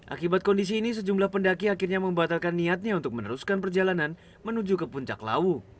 akibat kondisi ini sejumlah pendaki akhirnya membatalkan niatnya untuk meneruskan perjalanan menuju ke puncak lawu